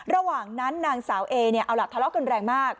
ระหว่างนั้นนางสาวเอเนี่ยเอาล่ะทะเลาะกันแรงมาก